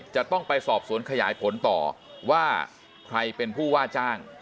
จะต้องไปสอบสวนขยายผลต่อว่าใครเป็นผู้ว่าจ้าง